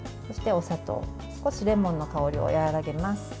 そして、お砂糖少しレモンの香りを和らげます。